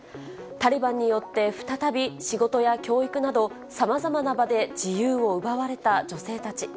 タリバンによって再び仕事や教育など、さまざまな場で自由を奪われた女性たち。